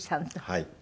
はい。